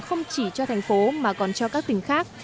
không chỉ cho thành phố mà còn cho các tỉnh khác